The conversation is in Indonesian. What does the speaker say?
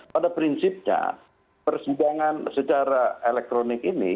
pada prinsipnya persidangan secara elektronik ini